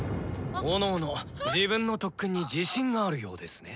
⁉おのおの自分の特訓に自信があるようですね。